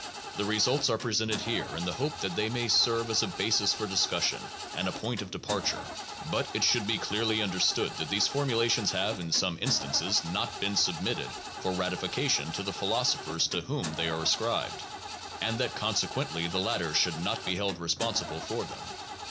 The results are presented here in the hope that they may serve as a basis for discussion and a point of depar ture. But it should be clearly understood that these formulations have in some instances not been submitted for ratification to the philosophers to whom they are ascribed, and that consequently the latter should not be held responsible for them.